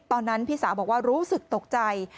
ตอนนั้นพี่สาวบอกว่ารู้สึกตกใจ